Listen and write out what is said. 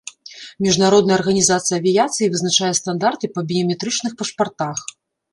Міжнародная арганізацыя авіяцыі вызначае стандарты па біяметрычных пашпартах.